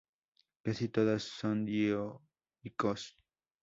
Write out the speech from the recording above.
Casi todas son dioicos.